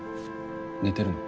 寝てるの？